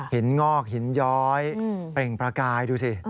งอกหินย้อยเปล่งประกายดูสิ